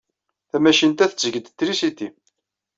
Tamacint-a tetteg-d trisiti.